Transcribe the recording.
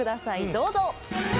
どうぞ。